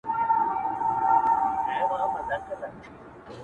داده ميني ښار وچاته څه وركوي،